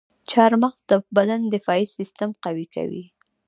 چارمغز د بدن دفاعي سیستم قوي کوي.